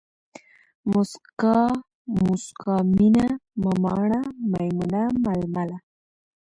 موسکا ، مُسکا، مينه ، مماڼه ، ميمونه ، ململه